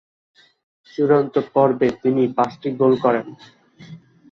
চূড়ান্ত পর্বে তিনি পাঁচটি গোল করেন।